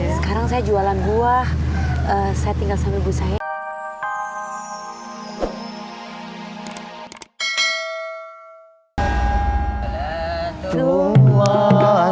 sekarang saya jualan buah